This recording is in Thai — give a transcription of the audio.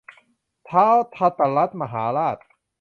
ท้าวธตรัฐมหาราช